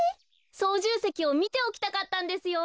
そうじゅうせきをみておきたかったんですよ。